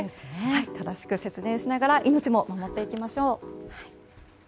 正しく節電しながら命も守っていきましょう。